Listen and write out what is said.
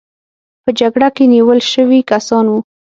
په جګړه کې نیول شوي کسان وو.